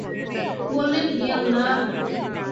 বললেন, হে আল্লাহ!